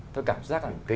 tôi cảm giác là